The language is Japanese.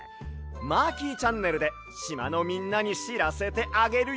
「マーキーチャンネル」でしまのみんなにしらせてあげるＹＯ！